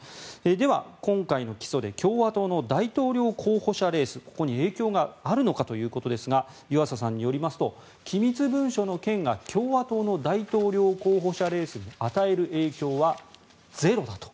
では、今回の起訴で共和党の大統領候補者レースここに影響があるのかということですが湯浅さんによりますと機密文書の件が共和党の大統領候補者レースに与える影響はゼロだと。